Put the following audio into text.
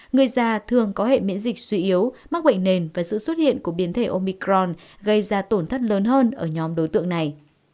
người già thường có hệ miễn dịch suy yếu mắc bệnh nền và sự xuất hiện của biến thể omicron gây ra tổn thất lớn hơn ở nhóm đối tượng này